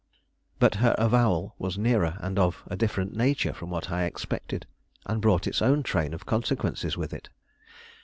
But her avowal was nearer and of a different nature from what I expected, and brought its own train of consequences with it.